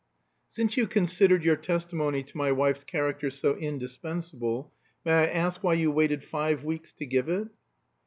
"Since you considered your testimony to my wife's character so indispensable, may I ask why you waited five weeks to give it?"